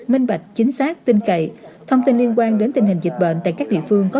minh bạch chính xác tinh cậy thông tin liên quan đến tình hình dịch bệnh tại các địa phương có